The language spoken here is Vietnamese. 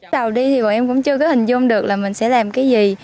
đầu đi thì bọn em cũng chưa hình dung được là mình sẽ làm cái gì